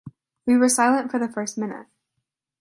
We were silent for the first minute.